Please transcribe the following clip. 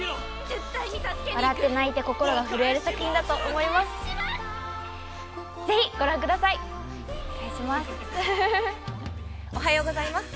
笑って泣いて、心が震える作品だと思います。